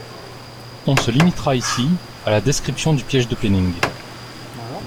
On se limitera ici à la description du piège de Penning.